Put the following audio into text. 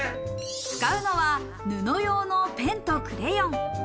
使うのは布用のペンとクレヨン。